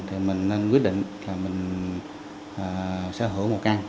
thì mình nên quyết định là mình sở hữu một căn